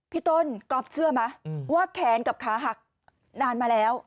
พี่ต้นก๊อฟเชื่อไหมว่าแขนกับขาหักนานมาแล้ว